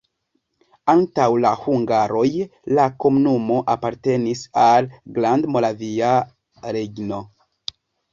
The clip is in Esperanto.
Antaŭ la hungaroj la komunumo apartenis al Grandmoravia Regno.